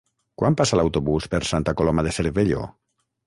Quan passa l'autobús per Santa Coloma de Cervelló?